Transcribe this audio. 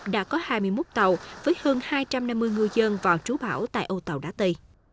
đã có hai mươi một tàu với hơn hai trăm năm mươi ngư dân vào trú bão tại âu tàu đá tây